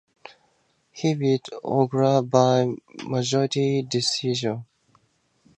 He beat Ogura by majority decision.